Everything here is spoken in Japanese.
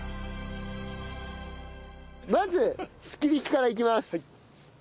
まずすき引きからいきます。